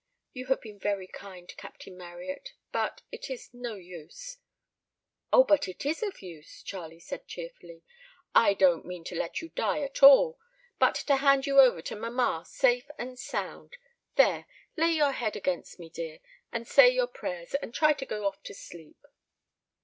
You have been very kind, Captain Marryat, but it is no use." "Oh, but it is of use," Charlie said cheerfully. "I don't mean to let you die at all, but to hand you over to mamma safe and sound. There, lay your head against me, dear, and say your prayers, and try and go off to sleep."